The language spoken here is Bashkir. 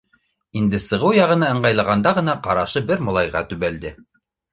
— Инде сығыу яғына ыңғайлағанда ғына, ҡарашы бер малайға төбәлде.